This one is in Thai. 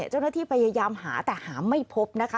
เจ้าหน้าที่พยายามหาแต่หาไม่พบนะคะ